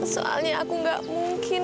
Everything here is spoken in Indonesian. soalnya aku gak mungkin